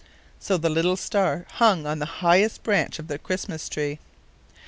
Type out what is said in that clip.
So the little star hung on the highest branch of the Christmas tree.